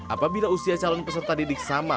apabila usia calon peserta didik sama